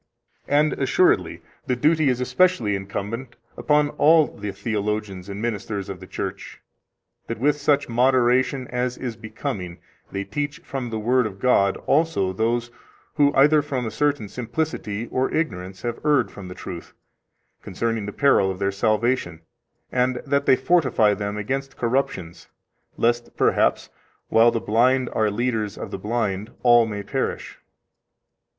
And assuredly, the duty is especially incumbent upon all the theologians and ministers of the Church, that with such moderation as is becoming they teach from the Word of God also those who either from a certain simplicity or ignorance have erred from the truth, concerning the peril of their salvation, and that they fortify them against corruptions lest perhaps, while the blind are leaders of the blind, all may perish.